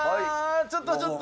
ちょっとちょっと。